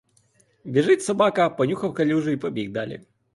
Біжить собака, понюхав калюжу й побіг далі.